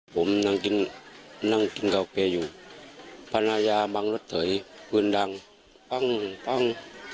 ผมนั่งกินนั่งกินกาแกอยู่ภรรยาบังรถไถปืนดังปั้งปั้ง